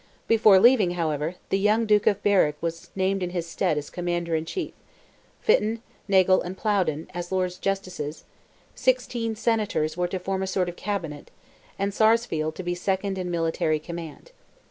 Before leaving, however, the young Duke of Berwick was named in his stead as Commander in Chief; Fitton, Nagle, and Plowden, as Lords Justices; sixteen "senators" were to form a sort of Cabinet, and Sarsfield to be second in military command.